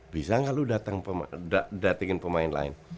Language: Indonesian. bisa gak lu datangin pemain lain